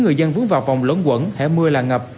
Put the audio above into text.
người dân vướng vào vòng lớn quẩn hẻ mưa là ngập